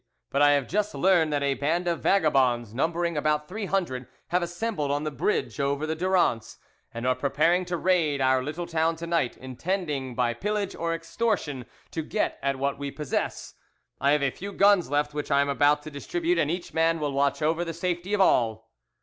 But I have just learned that a band of vagabonds, numbering about three hundred, have assembled on the bridge over the Durance, and are preparing to raid our little town to night, intending by pillage or extortion to get at what we possess. I have a few guns left which I am about to distribute, and each man will watch over the safety of all.